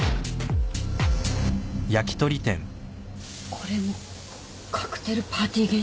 これもカクテルパーティー現象？